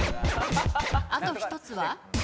あと１つは？